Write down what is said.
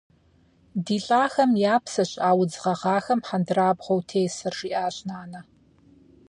- Ди лӏахэм я псэщ а удз гъэгъахэм хьэндырабгъуэу тесыр, - жиӏащ нанэ.